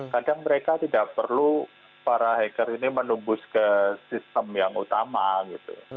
kadang mereka tidak perlu para hacker ini menembus ke sistem yang utama gitu